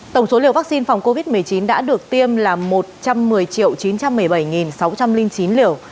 tổng số liều vaccine phòng covid một mươi chín đã được tiêm là một trăm một mươi chín trăm một mươi bảy sáu trăm linh chín liều